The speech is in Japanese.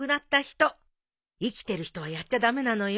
生きてる人はやっちゃ駄目なのよ。